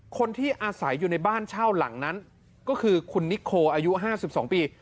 คนที่อาศัยอยู่ในบ้านเช่าหลังนั้นก็คือคุณนิโคอายุ๕๒ปี